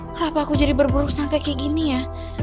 kenapa aku jadi berburuk sampai kayak gini ya